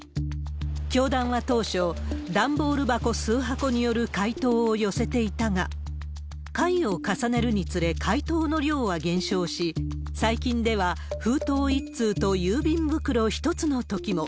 教団は当初、段ボール箱数箱による回答を寄せていたが、回を重ねるにつれ、回答の量は減少し、最近では封筒１通と郵便袋１つのときも。